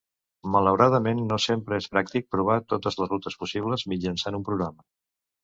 Malauradament, no sempre és pràctic provar totes les rutes possibles mitjançant un programa.